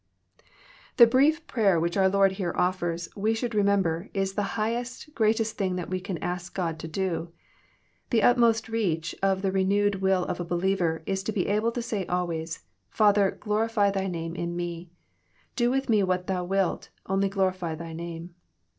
The brief prayer which onr Lord here offers, we shonld remember, is the highest, greatest thincr that we can ask God to do. The utmost reach of the renewed will of a believer is to be able to say always, *' Father, gloriQr Thy name In Me. Do with Me what Thou wilt, only glorify Thy name.